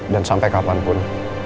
dan sampai kapanpun